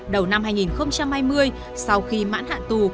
đầu năm hai nghìn hai mươi sau khi mãn hạn tù